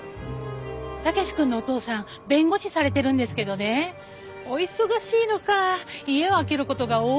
武志くんのお父さん弁護士されてるんですけどねお忙しいのか家を空ける事が多いみたいで。